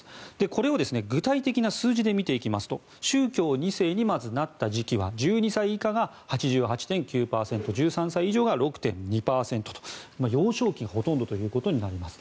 これを具体的な数字で見ていきますと宗教２世になった時期は１２歳以下が８８．９％１３歳以上が６．２％と幼少期がほとんどということになります。